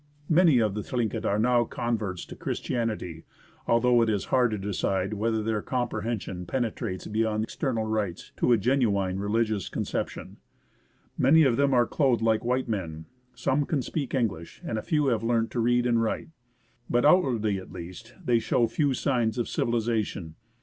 Many of the Thlinket are now converts to Christian ity, although it is hard to decide whether their com prehension penetrates be yond external rites to a genuine religious conception. Many of them are clothed like white men, some can speak English, and a few have learnt to read and 23 WRANGEL STRAITS. THE ASCENT OF MOUNT ST. ELIAS write. But oiitwardl)', at least, they show few signs of civilization.